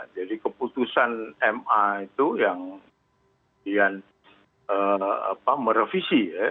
jadi keputusan ma itu yang merevisi ya